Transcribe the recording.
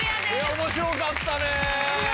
面白かったね！